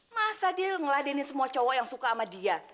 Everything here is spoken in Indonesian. masa dia ngeladenin semua cowok yang suka sama dia